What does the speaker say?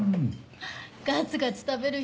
ガツガツ食べる人